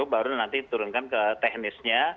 baru nanti turunkan ke teknisnya